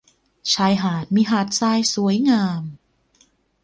ชายหาดมีหาดทรายสวยงาม